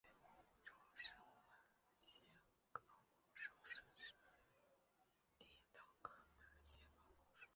沼生马先蒿沼生是列当科马先蒿属的植物。